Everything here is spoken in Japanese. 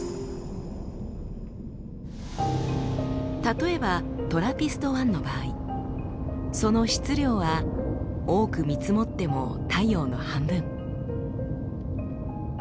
例えばトラピスト１の場合その質量は多く見積もっても太陽の半分。